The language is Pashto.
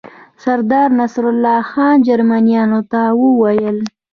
سردار نصرالله خان جرمنیانو ته وویل.